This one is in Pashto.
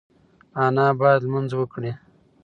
انا باید لمونځ وکړي.